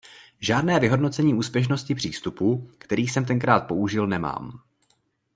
Žádné vyhodnocení úspěšnosti přístupu, který jsem tenkrát použil nemám.